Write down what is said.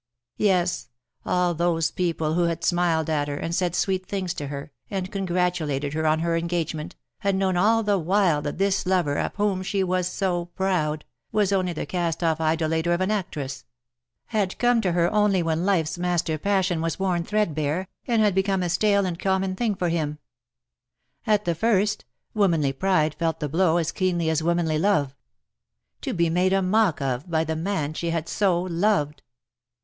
Yes, all those people who had smiled at her, and said sweet things to her, and congratulated her on her engagement, had known all the while that this lover, of whom she was so proud, was only the cast off idolater of an actress ; had come to her only when lifers master passion was worn threadbare, and had become a stale and common thing for him. At the first, womanly pride felt the blow as keenly as womanly love. To be made a mock of by the man she had so loved